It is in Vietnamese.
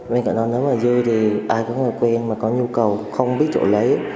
bên cạnh đó nếu mà dư thì ai có người quen mà có nhu cầu không biết chỗ lấy